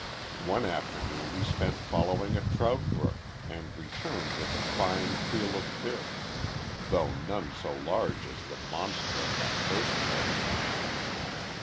One afternoon he spent following a trout brook and returned with a fine creel of fish, though none so large as the monster of that first day.